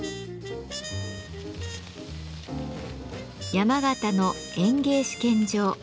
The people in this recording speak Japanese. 山形の園芸試験場。